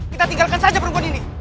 kita tinggalkan saja perempuan ini